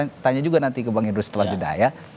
saya tanya juga nanti ke bang hedrus setelah jeda ya